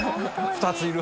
２ついる。